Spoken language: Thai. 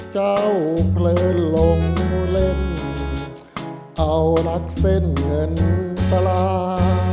เจ้าเพลินลงเล่นเอานักเส้นเงินตลา